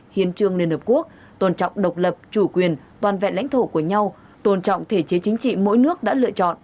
hiến trương liên hợp quốc tôn trọng độc lập chủ quyền toàn vẹn lãnh thổ của nhau tôn trọng thể chế chính trị mỗi nước đã lựa chọn